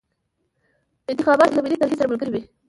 انتخابات له ملي طرحې سره ملګري وي.